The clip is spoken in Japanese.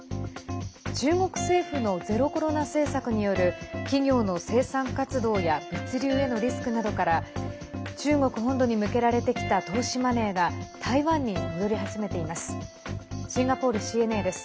中国政府のゼロコロナ政策による企業の生産活動や物流へのリスクなどから中国本土に向けられてきた投資マネーが台湾に戻り始めています。